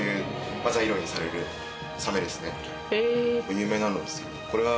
有名なんですけどこれは。